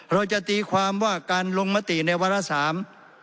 เราจะตีความว่าการลงมติในวาระสาม